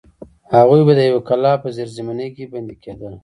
هغوی به د یوې قلعې په زیرزمینۍ کې بندي کېدل.